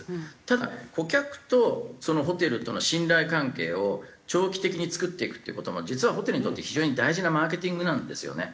ただ顧客とそのホテルとの信頼関係を長期的に作っていくって事も実はホテルにとって非常に大事なマーケティングなんですよね。